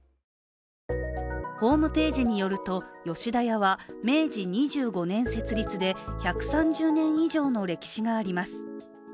ホームページによると吉田屋は明治２５年設立で１３０年以上の歴史があります。